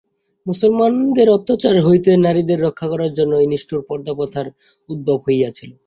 মুসলমানদের অত্যাচার হইতে নারীদের রক্ষা করার জন্যই নিষ্ঠুর পর্দাপ্রথার উদ্ভব হইয়াছিল।